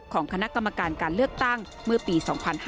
ของคณะกรรมการการเลือกตั้งเมื่อปี๒๕๕๙